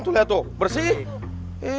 tuh lihat tuh bersih